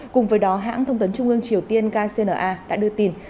cùng với đó hãng thông tấn trung ương triều tiên kcna đã đưa tin